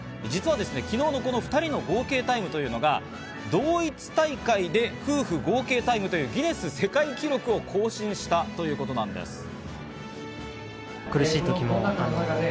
実は昨日の２人の合計タイムというのが同一大会で夫婦合計タイムというギネス世界記録を更新したということなんです。